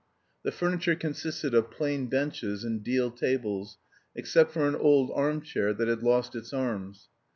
The furniture consisted of plain benches and deal tables, except for an old arm chair that had lost its arms.